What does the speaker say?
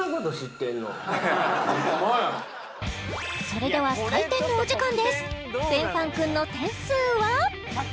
それでは採点のお時間です豊凡くんの点数は？